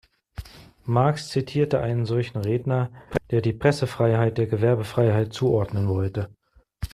Marx zitierte einen solchen Redner, der die Pressefreiheit der Gewerbefreiheit zuordnen wollte.